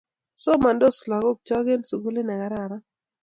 Somandos lagok chok eng' sukulit ne kararan